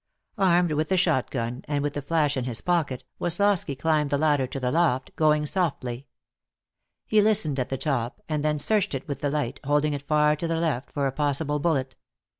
Armed with the shotgun, and with the flash in his pocket, Woslosky climbed the ladder to the loft, going softly. He listened at the top, and then searched it with the light, holding it far to the left for a possible bullet.